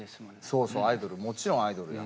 そうそうアイドルもちろんアイドルや。